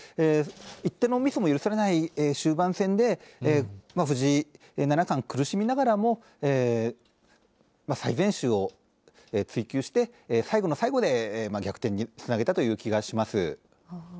一手のミスも許されない終盤戦で、藤井七冠、苦しみながらも、最善手を追求して、最後の最後で逆転につなげたという気がします。